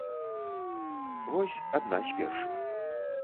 Вось адна з першых.